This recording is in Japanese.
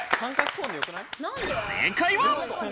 正解は。